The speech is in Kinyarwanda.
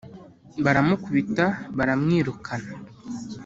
baramukubita, baramwirukana,